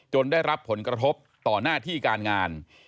ได้รับผลกระทบต่อหน้าที่การงาน